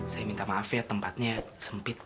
saya minta maaf ya tempatnya sempit